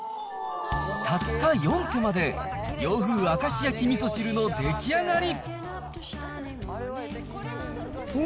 たった４手間で、洋風明石焼きみそ汁の出来上がり。